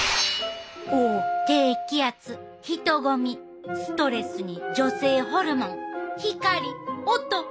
低気圧人混みストレスに女性ホルモン光音。